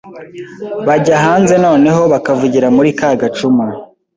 bajya hanze noneho bakavugira muri ka gacuma